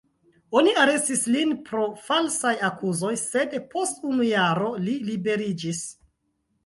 Oni arestis lin pro falsaj akuzoj, sed post unu jaro li liberiĝis.